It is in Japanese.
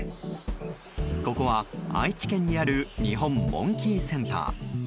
ここは愛知県にある日本モンキーセンター。